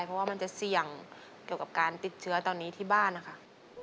เพราะว่ามันจะเสี่ยงเกี่ยวกับการติดเชื้อตอนนี้ที่บ้านนะคะ